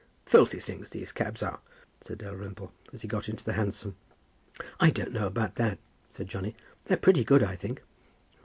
"Filthy things, these cabs are," said Dalrymple, as he got into the Hansom. "I don't know about that," said Johnny. "They're pretty good, I think."